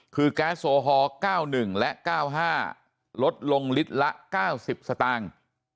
คือแก๊สโอฮอล๙๑และ๙๕ลดลงลิตรละ๙๐สตางค์